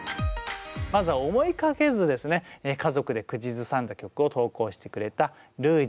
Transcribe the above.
まずは思いがけず家族で口ずさんだ曲を投稿してくれたルージさん。